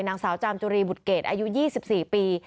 นางสาวจามจุรีบุตรเกรดอายุ๒๔ปี